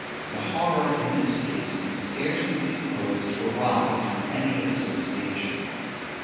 The horror, in this case, can scarcely be supposed to arise from any association.